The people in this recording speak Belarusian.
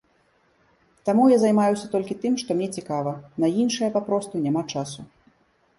Таму я займаюся толькі тым, што мне цікава, на іншае папросту няма часу.